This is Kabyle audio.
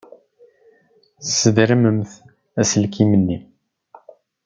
Sdermemt aselkim-nni.